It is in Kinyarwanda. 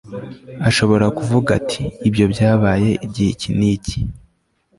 ashobora kuvuga ati «ibyo byabaye igihe iki n'iki